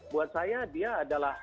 buat saya dia adalah